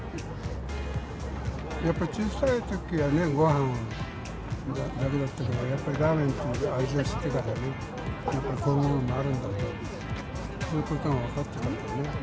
やっぱ小さいときはね、ごはんだけだったけど、やっぱりラーメンという味を知ってから、やっぱこういうものがあるんだということが分かったからね。